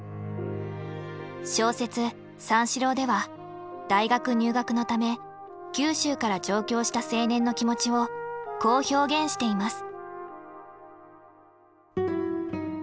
小説「三四郎」では大学入学のため九州から上京した青年の気持ちをこう表現しています。